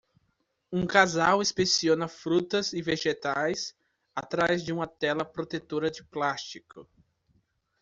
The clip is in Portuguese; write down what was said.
Um casal inspeciona frutas e vegetais atrás de uma tela protetora de plástico.